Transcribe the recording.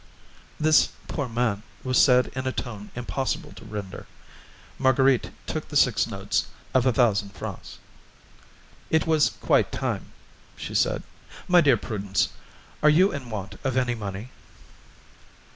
This "Poor man!" was said in a tone impossible to render. Marguerite took the six notes of a thousand francs. "It was quite time," she said. "My dear Prudence, are you in want of any money?"